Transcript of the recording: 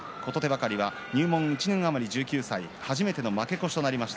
計が入門１年余り１９歳初めての負け越しとなりました